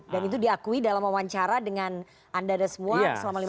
dan itu diakui dalam wawancara dengan anda ada semua selama lima jam itu